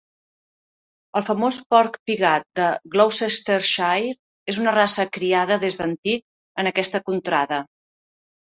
El famós porc pigat de Gloucestershire és una raça criada des d'antic en aquesta contrada.